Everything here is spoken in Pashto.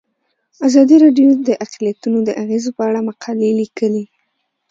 ازادي راډیو د اقلیتونه د اغیزو په اړه مقالو لیکلي.